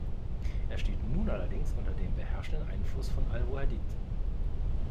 Er steht nun allerdings unter dem beherrschenden Einfluss von al-Wahdid.